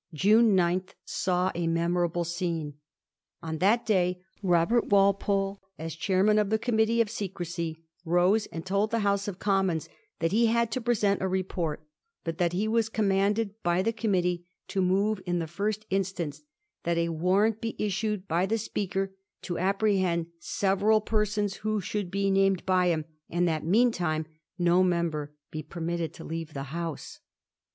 June 9 saw a memorable scene. On that day Robert Walpole, as chairman of the Committee of Secrecy, rose and told the House of Commons that he had to present a report, but that he was commanded by the <;omn[uttee to move in the first instance that a warrant be issued by the Speaker to apprehend several persons who should be named by him, and that meantime no member be permitted to leave the House.